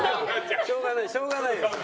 しょうがないしょうがないよ。